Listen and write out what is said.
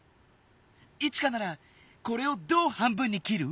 イチカならこれをどう半分にきる？